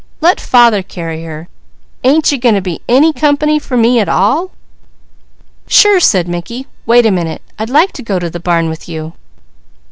"Let father carry her! Ain't you going to be any company for me at all?" "Sure!" said Mickey. "Wait a minute! I'd like to go to the barn with you."